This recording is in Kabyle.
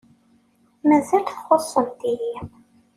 Mazal txuṣṣemt-iyi.